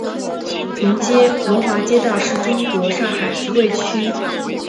龙华街道是中国上海市徐汇区下辖的一个街道。